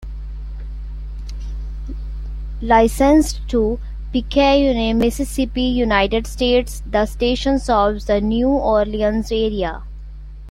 Licensed to Picayune, Mississippi, United States, the station serves the New Orleans area.